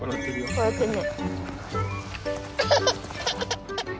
笑ってるね。